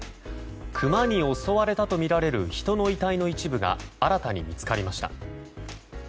クマに襲われたとみられる人の遺体の一部が新たに見つかりました。